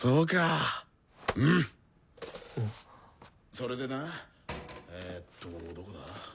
それでなえっとどこだ？